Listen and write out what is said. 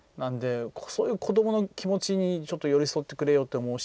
子どもの気持ちに、ちょっと寄り添ってくれよって思うし